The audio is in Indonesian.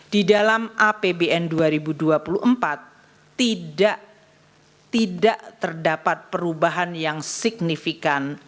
di dalam apbn dua ribu dua puluh empat tidak terdapat perubahan yang signifikan